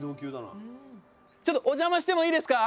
ちょっとお邪魔してもいいですか。